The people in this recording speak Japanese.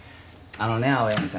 あのね青柳さん